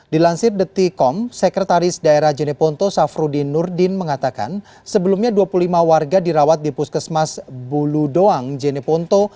dilansir detikom sekretaris daerah jeneponto safrudin nurdin mengatakan sebelumnya dua puluh lima warga dirawat di puskesmas bulu doang jeneponto